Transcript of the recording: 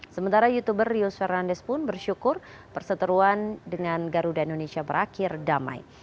sementara youtuber rius fernandes pun bersyukur perseteruan dengan garuda indonesia berakhir damai